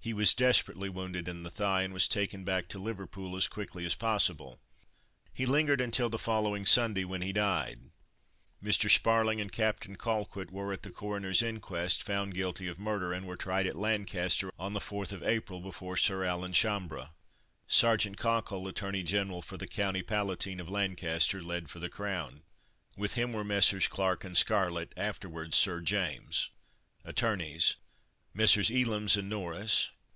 He was desperately wounded in the thigh, and was taken back to Liverpool as quickly as possible. He lingered until the following Sunday, when he died. Mr. Sparling and Captain Colquitt were, at the coroner's inquest, found guilty of murder, and were tried at Lancaster, on the 4th of April, before Sir Alan Chambre. Sergeant Cockle, Attorney General for the County Palatine of Lancaster, led for the crown; with him were Messrs. Clark and Scarlett (afterwards Sir James); attorneys, Messrs. Ellames and Norris.